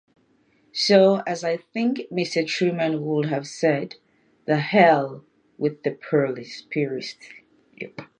So as I think Mr. Truman would have said, the hell with the purists.